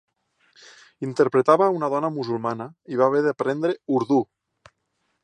Interpretava una dona musulmana i va haver d'aprendre urdú.